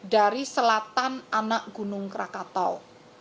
dari selatan anak gunung krakatau